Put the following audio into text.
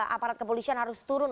aparat kepolisian harus turun